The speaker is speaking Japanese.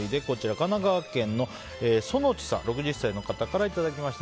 神奈川県の６０歳の方からいただきました。